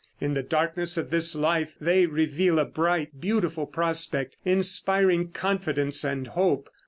In the darkness of this life they reveal a bright, beautiful prospect, inspiring confidence and hope.